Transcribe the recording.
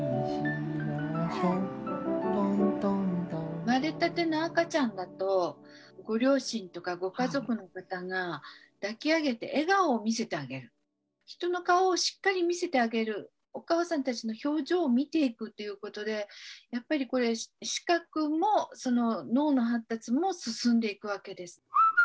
生まれたての赤ちゃんだとご両親とかご家族の方が抱き上げて笑顔を見せてあげる人の顔をしっかり見せてあげるお母さんたちの表情を見ていくということでやっぱりこれ視覚も脳の発達も進んでいくわけです。